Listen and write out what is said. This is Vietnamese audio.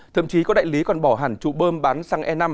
thậm chí có đại lý còn bỏ hẳn trụ bơm bán xăng e năm